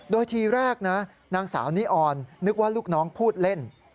โดยทีแรกนะนางสาวนิออนนึกว่าลูกน้องพูดเล่น